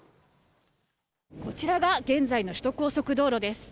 こちらが現在の首都高速道路です。